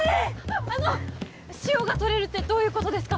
あの塩がとれるってどういうことですか？